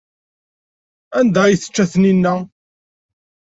Anda ay tečča Taninna?